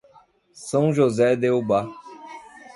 São José de Ubá